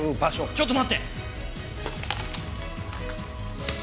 ちょっと待って！